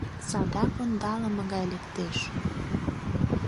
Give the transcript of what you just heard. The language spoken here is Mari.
Садак ондалыме гай лектеш.